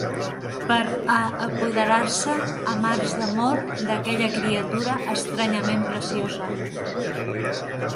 Per a apoderar-se amb arts d'amor d'aquella criatura estranyament preciosa